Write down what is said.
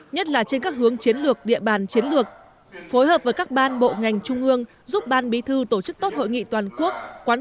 nhất là trên các hướng chiến lược địa bàn chiến lược phối hợp với các ban bộ ngành trung ương